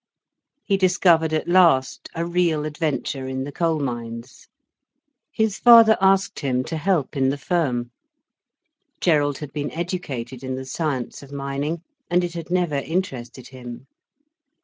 He discovered at last a real adventure in the coal mines. His father asked him to help in the firm. Gerald had been educated in the science of mining, and it had never interested him.